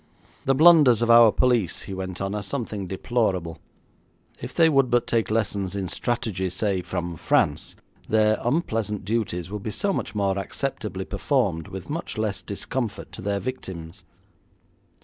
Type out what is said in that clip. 'The blunders of our police', he went on, 'are something deplorable. If they would but take lessons in strategy, say, from France, their unpleasant duties would be so much more acceptably performed, with much less discomfort to their victims.'